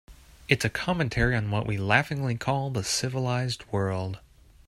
It's a commentary on what we laughingly call the civilized world.